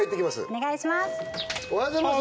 お願いします